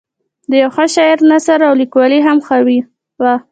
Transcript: د یوه ښه شاعر نثر او لیکوالي هم ښه وه.